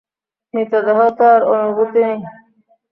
মৃতদের তো আর অনুভূতি নেই!